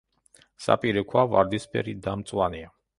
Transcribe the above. საპირე ქვა ვარდისფერი და მწვანეა.